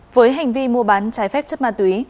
với hành vi mua bán trái phép chất ma túy